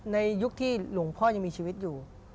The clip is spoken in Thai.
ในยุคที่หลวงพ่อยังมีชีวิตอยู่